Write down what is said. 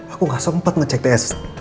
aku gak sempat ngecek tes